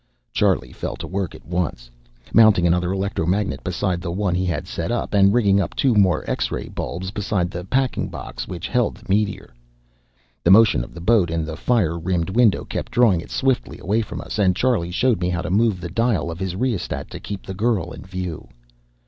Charlie fell to work at once, mounting another electromagnet beside the one he had set up, and rigging up two more X ray bulbs beside the packing box which held the meteor. The motion of the boat in the fire rimmed window kept drawing it swiftly away from us, and Charlie showed me how to move the dial of his rheostat to keep the girl in view.